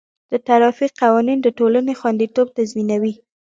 د ټرافیک قوانین د ټولنې خوندیتوب تضمینوي.